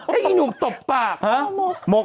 ไอ้หนูตบปากหอมหมก